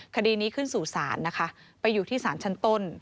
คดีนี้ขึ้นสู่ศาลนะคะไปอยู่ที่ศาลชั้นต้น